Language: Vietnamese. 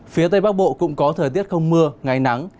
phía tây bắc bộ cũng có thời tiết không mưa ngày nắng